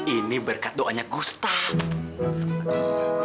ini berkat doanya gustaf